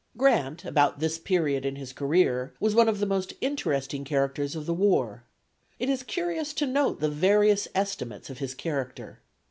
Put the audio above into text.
Grant about this period in his career was one of the most interesting characters of the war. It is curious to note the various estimates of his character.